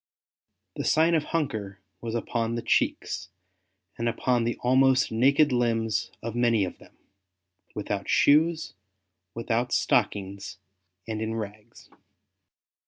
the sign of hunger was upon the cheeks and upon the almost naked limbs of many of them, without shoes, without stockings, and in rags.